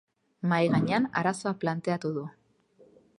Mahai gainean arazoa planteatu du.